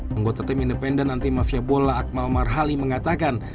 penggota tim independen dan tim mafia bola akmal marhali mengatakan